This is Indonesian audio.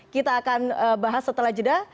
kita akan bahas setelah jeda